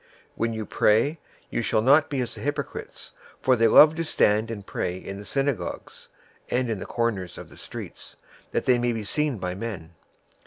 006:005 "When you pray, you shall not be as the hypocrites, for they love to stand and pray in the synagogues and in the corners of the streets, that they may be seen by men.